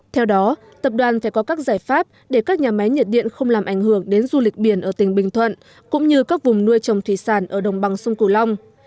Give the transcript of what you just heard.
theo đó tập đoàn phải có các giải pháp để các nhà máy nhiệt điện không làm ảnh hưởng đến du lịch biển ở tỉnh bình thuận cũng như các vùng nuôi trồng thủy sản ở đồng bằng sông cửu long